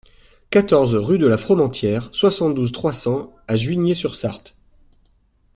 quatorze rue de la Fromentière, soixante-douze, trois cents à Juigné-sur-Sarthe